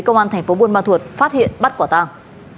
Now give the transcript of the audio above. công an tp buôn ma thuột phát hiện bắt quả tàng